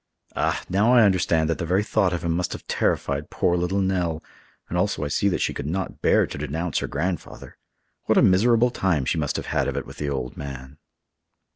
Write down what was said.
"Ah! now I understand that the very thought of him must have terrified poor little Nell, and also I see that she could not bear to denounce her grandfather. What a miserable time she must have had of it with the old man!"